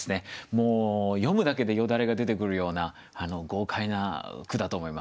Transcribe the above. もう読むだけでよだれが出てくるような豪快な句だと思います。